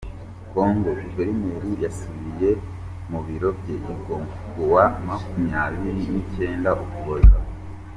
kongo Guverineri yasubiye mu biro bye i Goma ku wa makumyabiri nicyenda Ukuboza